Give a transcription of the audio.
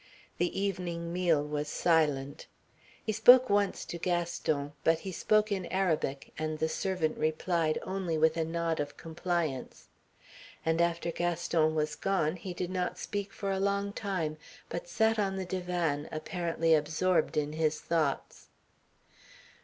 The evening meal was silent. He spoke once to Gaston, but he spoke in Arabic, and the servant replied only with a nod of compliance. And after Gaston was gone he did not speak for a long time, but sat on the divan, apparently absorbed in his thoughts.